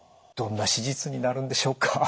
どんな手術になるんでしょうか？